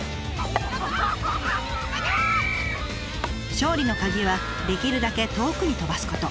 勝利のカギはできるだけ遠くに飛ばすこと。